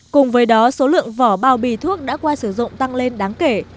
cùng với đó số lượng vỏ bao bì thuốc đã qua sử dụng tăng lên đáng kể